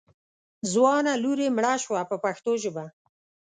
ځوانه لور یې مړه شوه په پښتو ژبه.